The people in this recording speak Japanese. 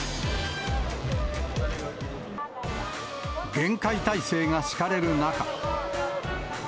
厳戒態勢が敷かれる中。